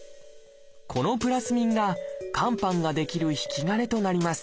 このプラスミンが肝斑が出来る引き金となります。